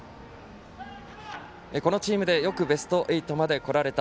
このチームでよくベスト８までこられた。